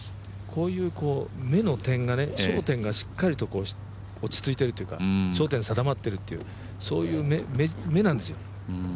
こういう目の焦点がしっかりと落ち着いているというか焦点が定まってるという目なんですよ。